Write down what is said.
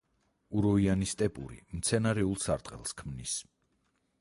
უროიანი სტეპური მცენარეულ სარტყელს ქმნის.